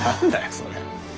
それ。